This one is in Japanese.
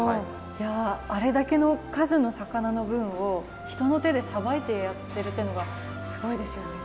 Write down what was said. いやあれだけの数の魚の分を人の手でさばいてやってるっていうのがすごいですよね。